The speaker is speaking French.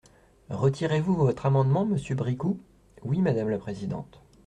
Retirez-vous votre amendement, monsieur Bricout ? Oui, madame la présidente.